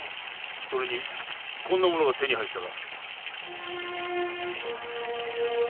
それにこんなものが手に入ったが。